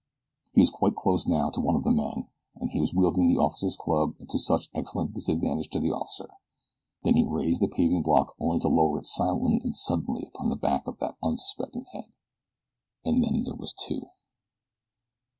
He was quite close now to one of the men he who was wielding the officer's club to such excellent disadvantage to the officer and then he raised the paving block only to lower it silently and suddenly upon the back of that unsuspecting head "and then there were two."